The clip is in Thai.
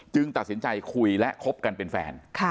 จึงตัดสินใจคุยและคบจะเป็นแฟน